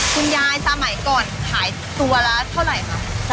คุณยายสมัยก่อนขายตัวละเท่าไหร่คะ